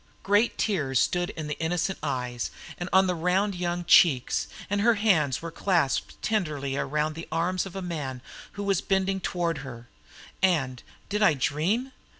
Great tears stood in the innocent eyes and on the round young cheeks, and her hands were clasped tenderly around the arms of a man who was bending toward her, and, did I dream?